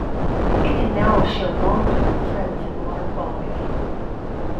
It can now show long-term trends in water quality.